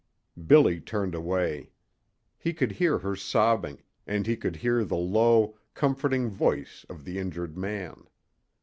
Billy turned away. He could hear her sobbing, and he could hear the low, comforting voice of the injured man.